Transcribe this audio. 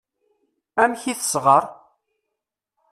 Amek i tesɣar.